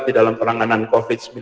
di dalam penanganan covid sembilan belas